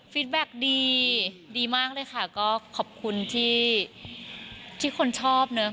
แบ็คดีดีมากเลยค่ะก็ขอบคุณที่คนชอบเนอะ